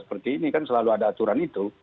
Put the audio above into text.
seperti ini kan selalu ada aturan itu